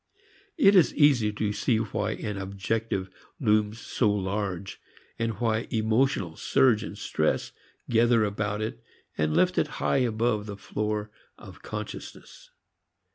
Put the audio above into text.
It is easy to see why an objective looms so large and why emotional surge and stress gather about it and lift it high above the floor of consciousness.